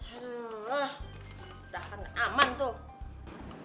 udah aman tuh